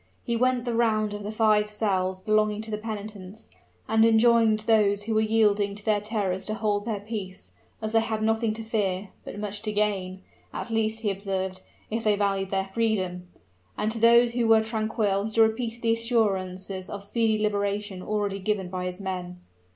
He went the round of the five cells belonging to the penitents, and enjoined those who were yielding to their terrors to hold their peace, as they had nothing to fear, but much to gain at least, he observed, if they valued their freedom; and to those who were tranquil he repeated the assurances of speedy liberation already given by his men.